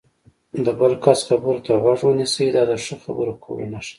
د بل کس خبرو ته غوږ ونیسئ، دا د ښه خبرو کولو نښه ده.